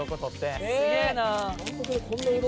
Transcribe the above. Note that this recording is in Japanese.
「すげえなあ」